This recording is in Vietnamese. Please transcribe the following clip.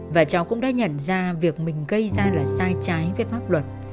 và cháu cũng đã nhận ra việc mình gây ra là sai trái với pháp luật